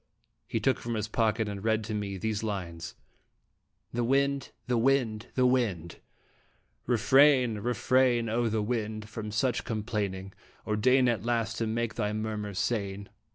He took from his pocket and read to me these lines : THE WIND! THE WIND! THE WIND! Refrain, refrain, O wind! from such complaining, Or deign at last to make thy murmurs sane.